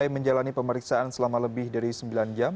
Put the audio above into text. menjalani pemeriksaan selama lebih dari sembilan jam